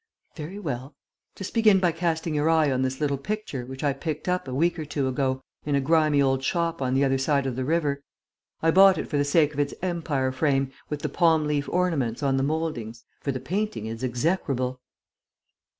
"Very well. Just begin by casting your eye on this little picture, which I picked up, a week or two ago, in a grimy old shop on the other side of the river. I bought it for the sake of its Empire frame, with the palm leaf ornaments on the mouldings ... for the painting is execrable."